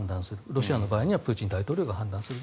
ロシアの場合にはプーチン大統領が判断する。